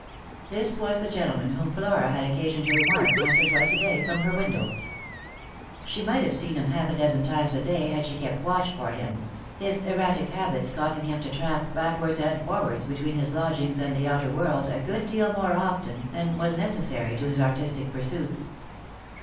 This was the gentleman whom Flora had occasion to remark once or twice a day from her window. She might have seen him half a dozen times a day had she kept watch for him, his erratic habits causing him to tramp backwards and forwards between his lodgings and the outer world a good deal more often than was necessary to his artistic pursuits.